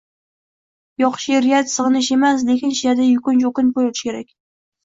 Yoʻq, sheʼriyat sigʻinish emas, lekin sheʼrda yukunch, oʻtinch boʻlishi kerak